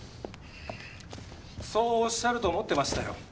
そうおっしゃると思ってましたよ。